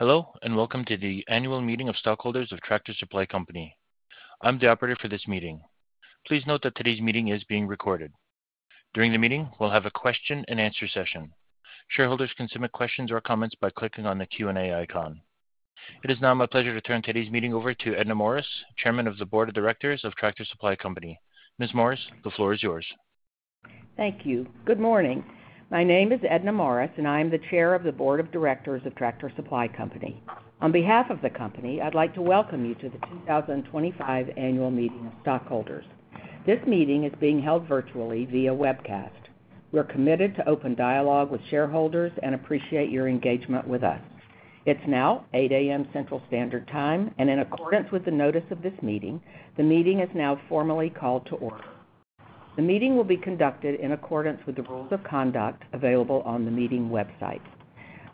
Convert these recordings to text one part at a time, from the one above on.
Hello, and welcome to the annual meeting of stockholders of Tractor Supply Company. I'm the operator for this meeting. Please note that today's meeting is being recorded. During the meeting, we'll have a question-and-answer session. Shareholders can submit questions or comments by clicking on the Q&A icon. It is now my pleasure to turn today's meeting over to Edna Morris, Chairman of the Board of Directors of Tractor Supply Company. Ms. Morris, the floor is yours. Thank you. Good morning. My name is Edna Morris, and I am the Chair of the Board of Directors of Tractor Supply Company. On behalf of the company, I'd like to welcome you to the 2025 annual meeting of stockholders. This meeting is being held virtually via webcast. We're committed to open dialogue with shareholders and appreciate your engagement with us. It's now 8:00 A.M. Central Standard Time, and in accordance with the notice of this meeting, the meeting is now formally called to order. The meeting will be conducted in accordance with the rules of conduct available on the meeting website.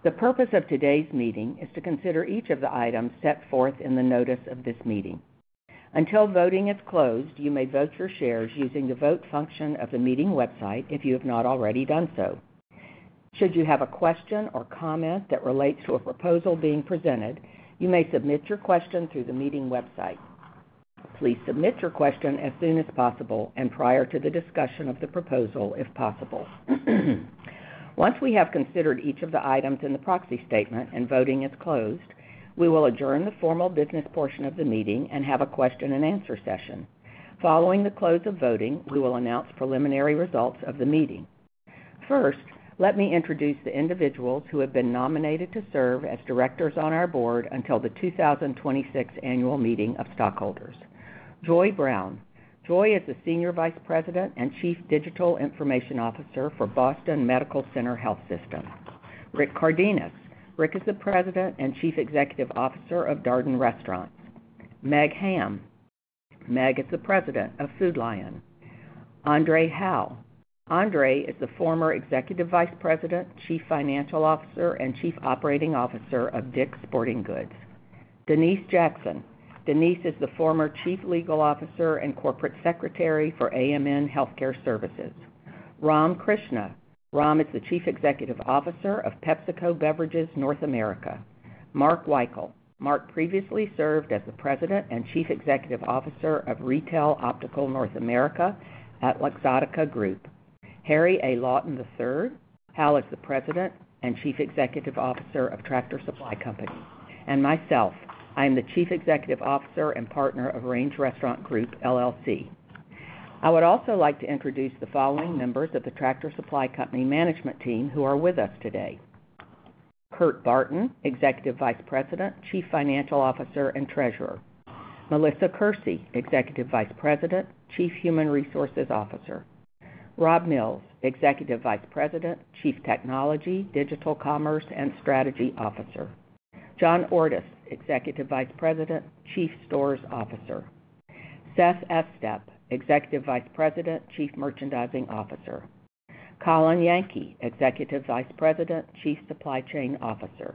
The purpose of today's meeting is to consider each of the items set forth in the notice of this meeting. Until voting is closed, you may vote your shares using the vote function of the meeting website if you have not already done so. Should you have a question or comment that relates to a proposal being presented, you may submit your question through the meeting website. Please submit your question as soon as possible and prior to the discussion of the proposal, if possible. Once we have considered each of the items in the proxy statement and voting is closed, we will adjourn the formal business portion of the meeting and have a question-and-answer session. Following the close of voting, we will announce preliminary results of the meeting. First, let me introduce the individuals who have been nominated to serve as directors on our board until the 2026 annual meeting of stockholders: Joy Brown. Joy is the Senior Vice President and Chief Digital Information Officer for Boston Medical Center Health System. Rick Cardenas. Rick is the President and Chief Executive Officer of Darden Restaurants. Meg Ham. Meg is the President of Food Lion. André Hawaux. André is the former Executive Vice President, Chief Financial Officer, and Chief Operating Officer of Dick's Sporting Goods. Denise Jackson. Denise is the former Chief Legal Officer and Corporate Secretary for AMN Healthcare Services. Ram Krishnan. Rom is the Chief Executive Officer of PepsiCo Beverages North America. Mark Weikel. Mark previously served as the President and Chief Executive Officer of Retail Optical North America at Luxottica Group. Harry A. Lawton III. Hal is the President and Chief Executive Officer of Tractor Supply Company. Myself, I am the Chief Executive Officer and Partner of Range Restaurant Group. I would also like to introduce the following members of the Tractor Supply Company management team who are with us today: Kurt Barton, Executive Vice President, Chief Financial Officer, and Treasurer, Melissa Kersey, Executive Vice President, Chief Human Resources Officer, Rob Mills, Executive Vice President, Chief Technology, Digital Commerce, and Strategy Officer, John Ordus, Executive Vice President, Chief Stores Officer, Seth Estep, Executive Vice President, Chief Merchandising Officer, Colin Yankee, Executive Vice President, Chief Supply Chain Officer,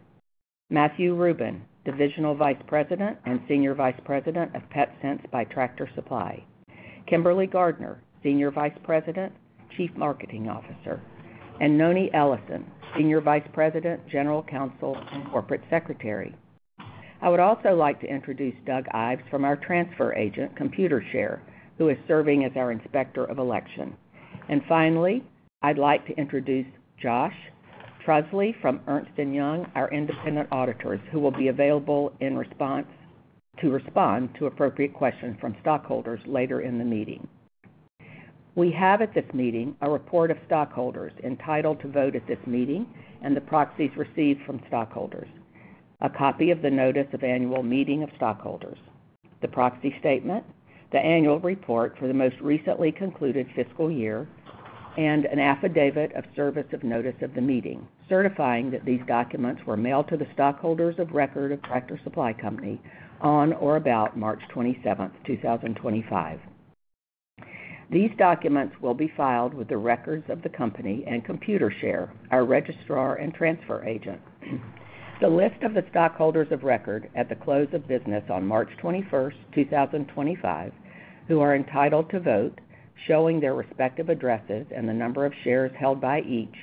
Matthew Rubin, Divisional Vice President and Senior Vice President of PetSense by Tractor Supply, Kimberley Gardner, Senior Vice President, Chief Marketing Officer, and Noni Ellison, Senior Vice President, General Counsel, and Corporate Secretary. I would also like to introduce Doug Ives from our transfer agent, Computershare, who is serving as our Inspector of Election. Finally, I'd like to introduce Josh Trusley from Ernst & Young, our independent auditors, who will be available to respond to appropriate questions from stockholders later in the meeting. We have at this meeting a report of stockholders entitled to vote at this meeting and the proxies received from stockholders, a copy of the notice of annual meeting of stockholders, the proxy statement, the annual report for the most recently concluded fiscal year, and an affidavit of service of notice of the meeting certifying that these documents were mailed to the stockholders of record of Tractor Supply Company on or about March 27, 2025. These documents will be filed with the records of the company and Computershare, our registrar and transfer agent. The list of the stockholders of record at the close of business on March 21, 2025, who are entitled to vote, showing their respective addresses and the number of shares held by each,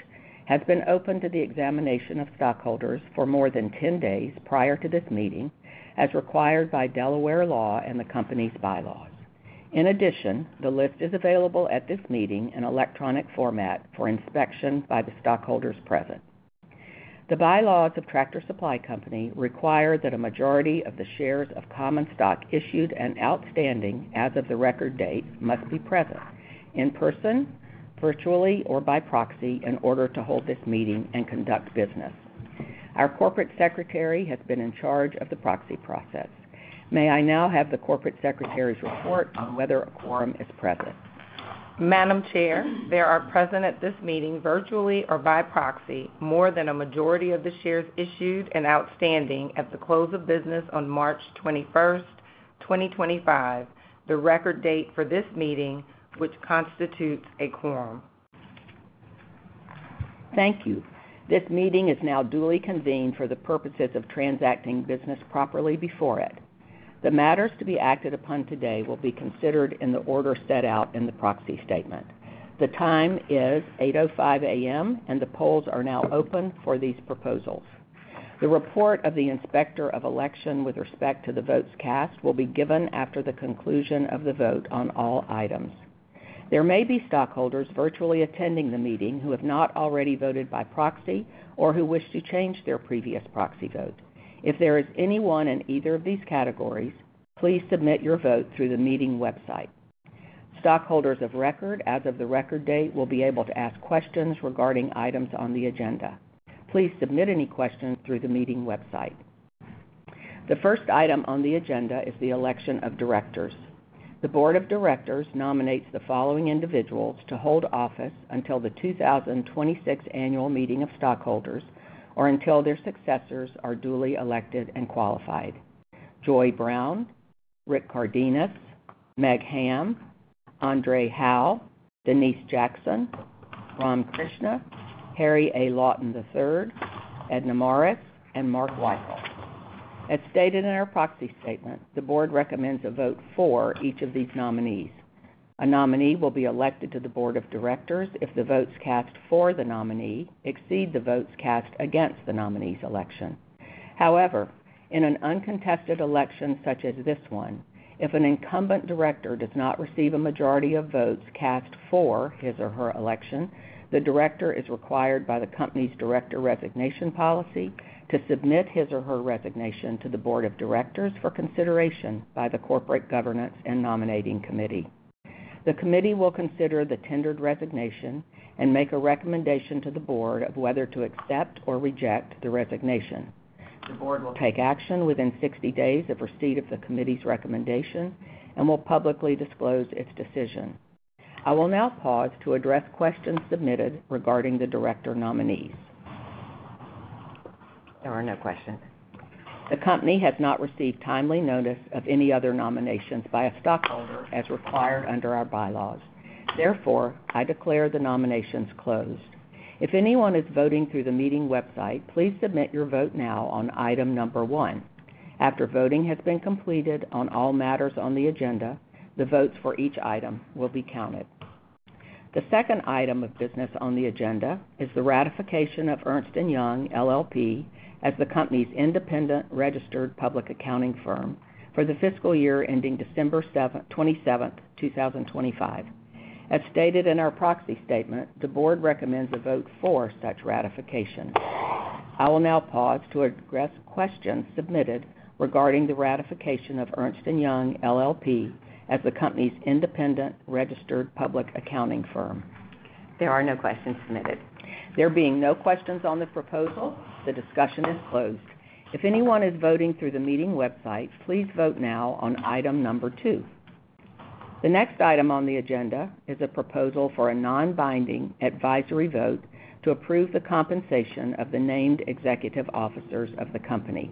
has been open to the examination of stockholders for more than 10 days prior to this meeting, as required by Delaware law and the company's bylaws. In addition, the list is available at this meeting in electronic format for inspection by the stockholders present. The bylaws of Tractor Supply Company require that a majority of the shares of common stock issued and outstanding as of the record date must be present in person, virtually, or by proxy in order to hold this meeting and conduct business. Our Corporate Secretary has been in charge of the proxy process. May I now have the Corporate Secretary's report on whether a quorum is present? Madam Chair, there are present at this meeting virtually or by proxy more than a majority of the shares issued and outstanding at the close of business on March 21, 2025, the record date for this meeting, which constitutes a quorum. Thank you. This meeting is now duly convened for the purposes of transacting business properly before it. The matters to be acted upon today will be considered in the order set out in the proxy statement. The time is 8:05 A.M., and the polls are now open for these proposals. The report of the Inspector of Election with respect to the votes cast will be given after the conclusion of the vote on all items. There may be stockholders virtually attending the meeting who have not already voted by proxy or who wish to change their previous proxy vote. If there is anyone in either of these categories, please submit your vote through the meeting website. Stockholders of record as of the record date will be able to ask questions regarding items on the agenda. Please submit any questions through the meeting website. The first item on the agenda is the election of directors. The Board of Directors nominates the following individuals to hold office until the 2026 annual meeting of stockholders or until their successors are duly elected and qualified: Joy Brown, Rick Cardenas, Meg Ham, André Hawaux, Denise Jackson, Ram Krishnan, Harry A. Lawton III, Edna Morris, and Mark Weikel. As stated in our proxy statement, the board recommends a vote for each of these nominees. A nominee will be elected to the Board of Directors if the votes cast for the nominee exceed the votes cast against the nominee's election. However, in an uncontested election such as this one, if an incumbent director does not receive a majority of votes cast for his or her election, the director is required by the company's director resignation policy to submit his or her resignation to the Board of Directors for consideration by the Corporate Governance and Nominating Committee. The committee will consider the tendered resignation and make a recommendation to the board of whether to accept or reject the resignation. The board will take action within 60 days of receipt of the committee's recommendation and will publicly disclose its decision. I will now pause to address questions submitted regarding the director nominees. There are no questions. The company has not received timely notice of any other nominations by a stockholder as required under our bylaws. Therefore, I declare the nominations closed. If anyone is voting through the meeting website, please submit your vote now on item number one. After voting has been completed on all matters on the agenda, the votes for each item will be counted. The second item of business on the agenda is the ratification of Ernst & Young LLP, as the company's independent registered public accounting firm for the fiscal year ending December 27, 2025. As stated in our proxy statement, the board recommends a vote for such ratification. I will now pause to address questions submitted regarding the ratification of Ernst & Young LLP, as the company's independent registered public accounting firm. There are no questions submitted. There being no questions on the proposal, the discussion is closed. If anyone is voting through the meeting website, please vote now on item number two. The next item on the agenda is a proposal for a non-binding advisory vote to approve the compensation of the named executive officers of the company.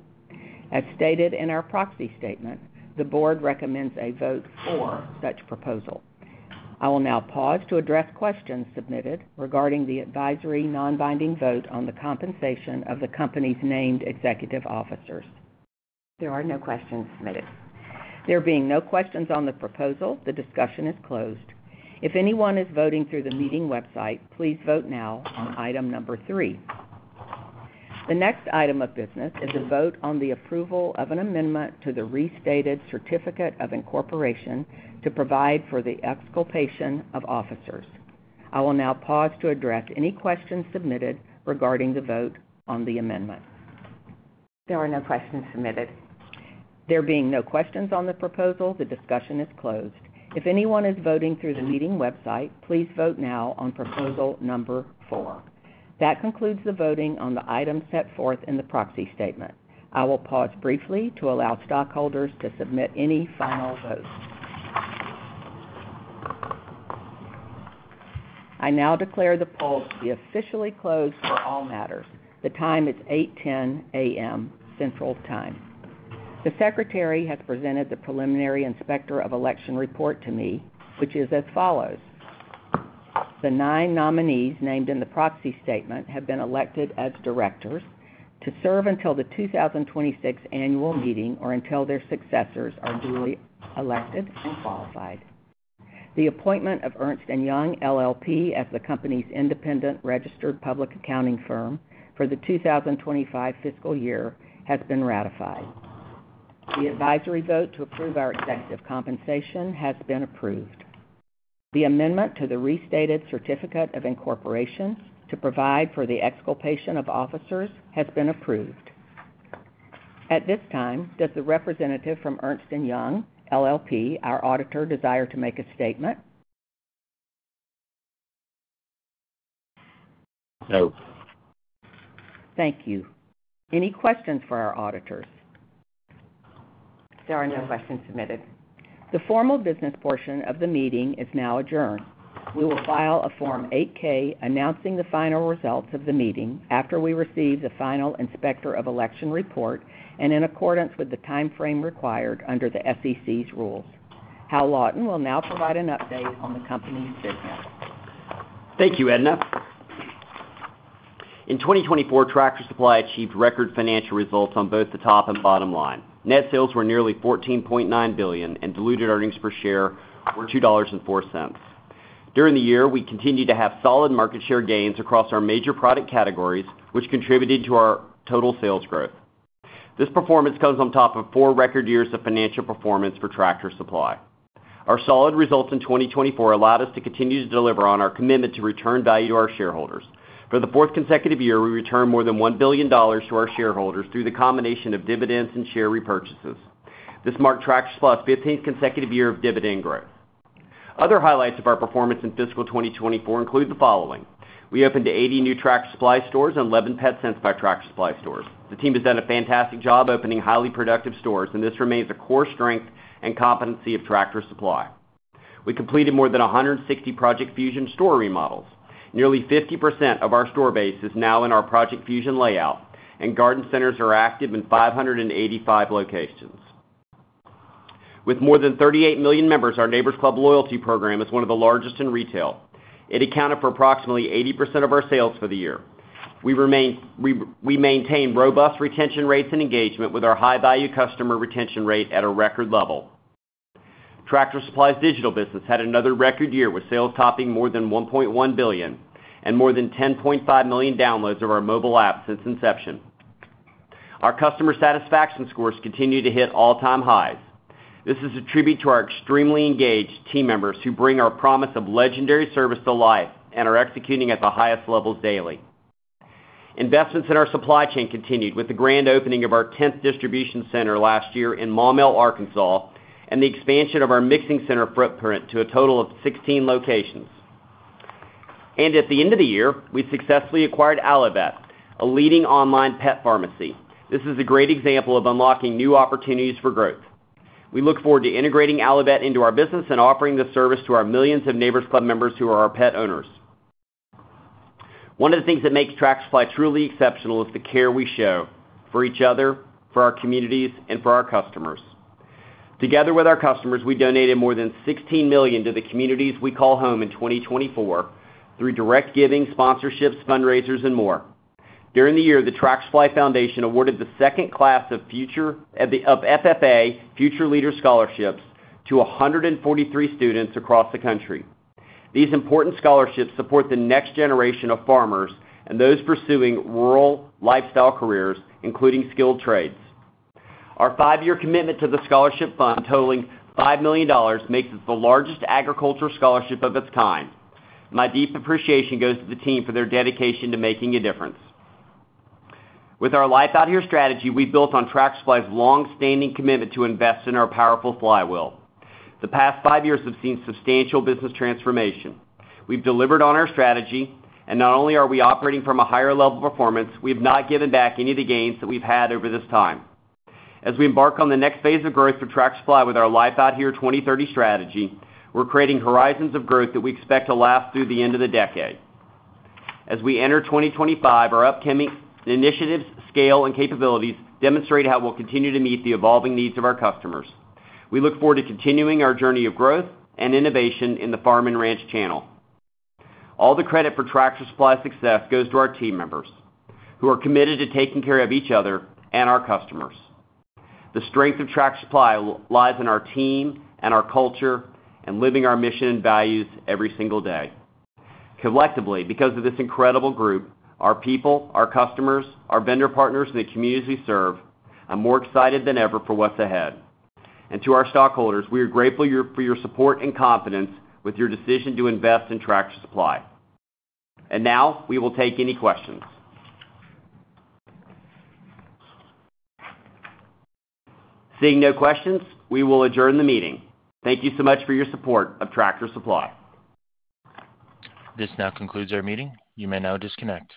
As stated in our proxy statement, the board recommends a vote for such proposal. I will now pause to address questions submitted regarding the advisory non-binding vote on the compensation of the company's named executive officers. There are no questions submitted. There being no questions on the proposal, the discussion is closed. If anyone is voting through the meeting website, please vote now on item number three. The next item of business is a vote on the approval of an amendment to the restated certificate of incorporation to provide for the exculpation of officers. I will now pause to address any questions submitted regarding the vote on the amendment. There are no questions submitted. There being no questions on the proposal, the discussion is closed. If anyone is voting through the meeting website, please vote now on proposal number four. That concludes the voting on the item set forth in the proxy statement. I will pause briefly to allow stockholders to submit any final votes. I now declare the polls to be officially closed for all matters. The time is 8:10 A.M. Central Time. The Secretary has presented the preliminary Inspector of Election report to me, which is as follows. The nine nominees named in the proxy statement have been elected as directors to serve until the 2026 annual meeting or until their successors are duly elected and qualified. The appointment of Ernst & Young, LLP, as the company's independent registered public accounting firm for the 2025 fiscal year has been ratified. The advisory vote to approve our executive compensation has been approved. The amendment to the restated certificate of incorporation to provide for the exculpation of officers has been approved. At this time, does the representative from Ernst & Young LLP, our auditor, desire to make a statement? No. Thank you. Any questions for our auditors? There are no questions submitted. The formal business portion of the meeting is now adjourned. We will file a Form 8-K announcing the final results of the meeting after we receive the final Inspector of Election report and in accordance with the timeframe required under the SEC's rules. Hal Lawton will now provide an update on the company's business. Thank you, Edna. In 2024, Tractor Supply achieved record financial results on both the top and bottom line. Net sales were nearly $14.9 billion, and diluted earnings per share were $2.04. During the year, we continued to have solid market share gains across our major product categories, which contributed to our total sales growth. This performance comes on top of four record years of financial performance for Tractor Supply. Our solid results in 2024 allowed us to continue to deliver on our commitment to return value to our shareholders. For the fourth consecutive year, we returned more than $1 billion to our shareholders through the combination of dividends and share repurchases. This marked Tractor Supply's 15th consecutive year of dividend growth. Other highlights of our performance in fiscal 2024 include the following: we opened 80 new Tractor Supply stores and 11 PetSense by Tractor Supply stores. The team has done a fantastic job opening highly productive stores, and this remains a core strength and competency of Tractor Supply. We completed more than 160 Project Fusion store remodels. Nearly 50% of our store base is now in our Project Fusion layout, and garden centers are active in 585 locations. With more than 38 million members, our Neighbors Club loyalty program is one of the largest in retail. It accounted for approximately 80% of our sales for the year. We maintain robust retention rates and engagement with our high-value customer retention rate at a record level. Tractor Supply's digital business had another record year with sales topping more than $1.1 billion and more than 10.5 million downloads of our mobile app since inception. Our customer satisfaction scores continue to hit all-time highs. This is a tribute to our extremely engaged team members who bring our promise of legendary service to life and are executing at the highest levels daily. Investments in our supply chain continued with the grand opening of our 10th distribution center last year in Maumelle, Arkansas, and the expansion of our mixing center footprint to a total of 16 locations. At the end of the year, we successfully acquired Allivet, a leading online pet pharmacy. This is a great example of unlocking new opportunities for growth. We look forward to integrating Allivet into our business and offering the service to our millions of Neighbors Club members who are our pet owners. One of the things that makes Tractor Supply truly exceptional is the care we show for each other, for our communities, and for our customers. Together with our customers, we donated more than $16 million to the communities we call home in 2024 through direct giving, sponsorships, fundraisers, and more. During the year, the Tractor Supply Foundation awarded the second class of FFA Future Leader Scholarships to 143 students across the country. These important scholarships support the next generation of farmers and those pursuing rural lifestyle careers, including skilled trades. Our five-year commitment to the scholarship fund totaling $5 million makes it the largest agriculture scholarship of its kind. My deep appreciation goes to the team for their dedication to making a difference. With our Life-Out-Here strategy, we built on Tractor Supply's long-standing commitment to invest in our powerful flywheel. The past five years have seen substantial business transformation. We've delivered on our strategy, and not only are we operating from a higher level of performance, we have not given back any of the gains that we've had over this time. As we embark on the next phase of growth for Tractor Supply with our Life-Out-Here 2030 strategy, we're creating horizons of growth that we expect to last through the end of the decade. As we enter 2025, our upcoming initiatives, scale, and capabilities demonstrate how we'll continue to meet the evolving needs of our customers. We look forward to continuing our journey of growth and innovation in the farm and ranch channel. All the credit for Tractor Supply's success goes to our team members who are committed to taking care of each other and our customers. The strength of Tractor Supply lies in our team and our culture and living our mission and values every single day. Collectively, because of this incredible group, our people, our customers, our vendor partners, and the communities we serve, I'm more excited than ever for what's ahead. To our stockholders, we are grateful for your support and confidence with your decision to invest in Tractor Supply. Now we will take any questions. Seeing no questions, we will adjourn the meeting. Thank you so much for your support of Tractor Supply. This now concludes our meeting. You may now disconnect.